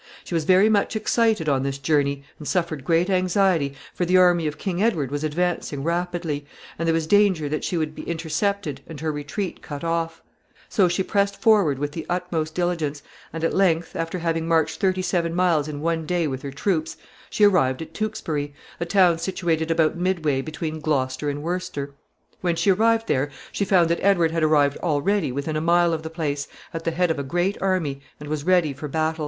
She was very much excited on this journey, and suffered great anxiety, for the army of King Edward was advancing rapidly, and there was danger that she would be intercepted and her retreat cut off; so she pressed forward with the utmost diligence, and at length, after having marched thirty seven miles in one day with her troops, she arrived at Tewkesbury, a town situated about midway between Gloucester and Worcester. When she arrived there, she found that Edward had arrived already within a mile of the place, at the head of a great army, and was ready for battle.